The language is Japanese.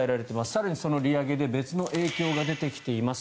更にその利上げで別の影響が出てきています。